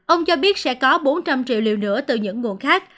ông cho biết sẽ có bốn trăm linh triệu liều nữa từ những nguồn khác